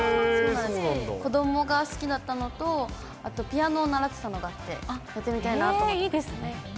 子どもが好きだったのと、あとピアノを習ってたのがあって、やってみたいなと。